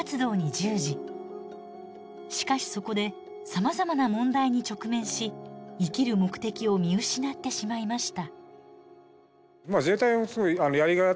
しかしそこでさまざまな問題に直面し生きる目的を見失ってしまいました。